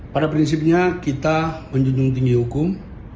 pada prinsipnya kita menjunjung tinggi hukum